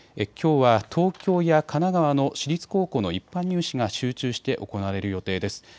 きょうは東京や神奈川の私立高校の一般入試が集中して行われる予定です。